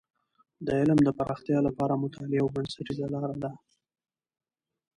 د علم د پراختیا لپاره مطالعه یوه بنسټیزه لاره ده.